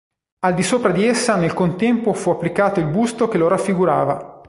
Al di sopra di essa nel contempo fu applicato il busto che lo raffigurava.